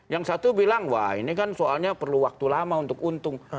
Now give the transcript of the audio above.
yang satu bilang wah ini kan soalnya perlu waktu lama untuk untung